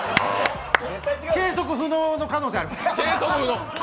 計測不能の可能性ある。